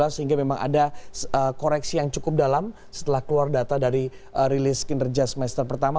sehingga memang ada koreksi yang cukup dalam setelah keluar data dari rilis kinerja semester pertama